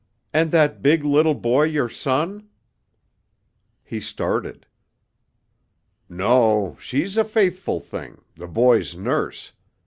And that big little boy your son?" He started. "No, she's a faithful thing, the boy's nurse.